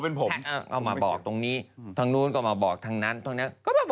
เพราะว่าพี่แอปเขาเซ็นใบหยาแล้ว